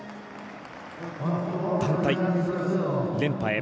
団体連覇へ。